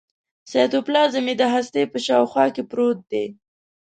سایتوپلازم یې د هستې په شاوخوا کې پروت دی.